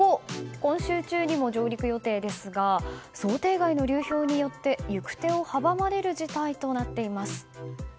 今週中にも上陸予定ですが想定外の流氷によって行く手を阻まれる事態となっています。